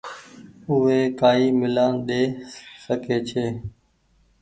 اوي ڪآئي ميلآن ۮي سڪي ڇي